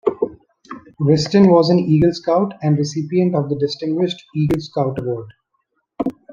Wriston was an Eagle Scout and recipient of the Distinguished Eagle Scout Award.